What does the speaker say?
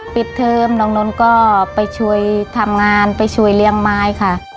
ปิดเทอมน้องนนท์ก็ไปช่วยทำงานไปช่วยเลี้ยงไม้ค่ะ